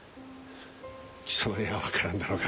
貴様には分からんだろうが。